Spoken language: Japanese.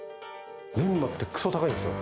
メンマって、くそ高いんですよ。